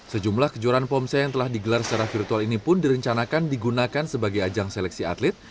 sejumlah kejuaraan pomse yang telah digelar secara virtual ini pun direncanakan digunakan sebagai ajang seleksi atlet